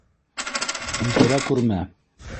Үлтерә күрмә!